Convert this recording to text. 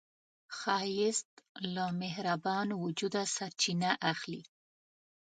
ښایست له مهربان وجوده سرچینه اخلي